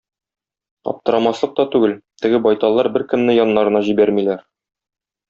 Аптырамаслык та түгел, теге байталлар беркемне яннарына җибәрмиләр.